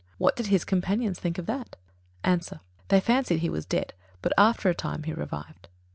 What did his companions think of that? A. They fancied he was dead; but after a time he revived.